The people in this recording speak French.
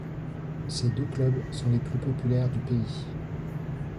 Ces deux clubs sont les plus populaires du pays.